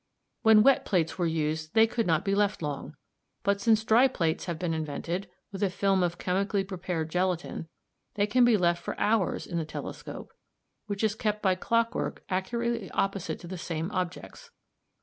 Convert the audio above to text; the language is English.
When wet plates were used they could not be left long, but since dry plates have been invented, with a film of chemically prepared gelatine, they can be left for hours in the telescope, which is kept by clockwork accurately opposite to the same objects.